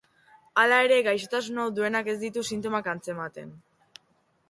Hala ere, gaixotasun hau duenak ez ditu sintomak antzematen.